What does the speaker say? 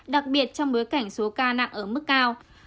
đặc biệt trong bối cảnh số ca nặng ở mức cao